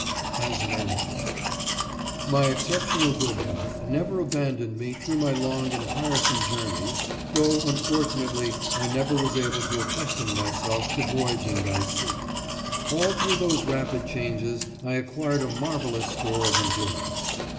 AS MANAGER My exceptionally good health never abandoned me through my long and tiresome journeys, though unfortunately I never was able to accustom myself to voyaging by sea. All through those rapid changes I acquired a marvellous store of endurance.